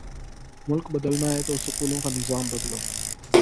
ملک بدلنا ہے تو سکولوں کا نظام بدلو۔